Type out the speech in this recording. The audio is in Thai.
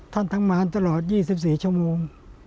ท่านขำราชตลอด๒๔ชั่วโมง